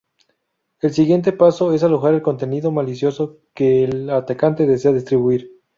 El siguiente paso es alojar el contenido malicioso que el atacante desea distribuir.